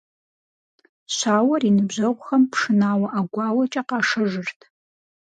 Щауэр и ныбжьэгъухэм пшынауэ, ӀэгуауэкӀэ къашэжырт.